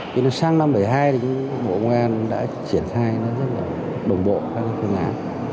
thì nó sang năm một nghìn chín trăm bảy mươi hai bộ ngoan đã triển khai nó rất là đồng bộ các phương án